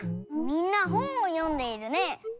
みんなほんをよんでいるね。